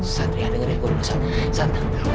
satria dengerin gue lo gak usah bunafik